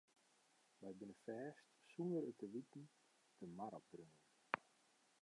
We binne fêst sûnder it te witten de mar opdreaun.